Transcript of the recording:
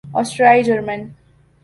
آسٹریائی German